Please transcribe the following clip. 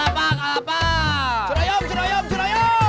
kasik kasik kasik